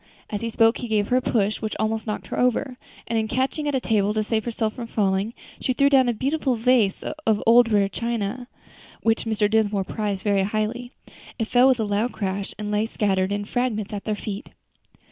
As he spoke he gave her a push, which almost knocked her over, and in catching at a table to save herself from falling, she threw down a beautiful vase of rare old china, which Mr. Dinsmore prized very highly. It fell with a loud crash, and lay scattered in fragments at their feet.